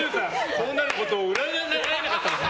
こうなることを占えなかったのか。